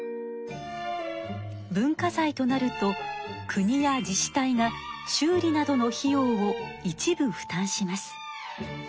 文化財となると国や自治体が修理などの費用を一部負担します。